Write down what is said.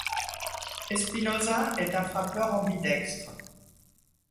Espinosa est un frappeur ambidextre.